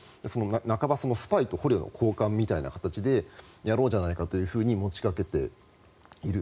半ばスパイと捕虜の交換みたいな形でやろうじゃないかというふうに持ちかけている。